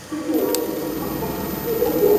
紫蕊蚤缀